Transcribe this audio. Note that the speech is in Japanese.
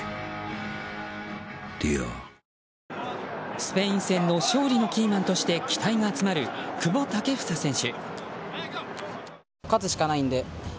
スペイン戦の勝利のキーマンとして期待が集まる久保建英選手。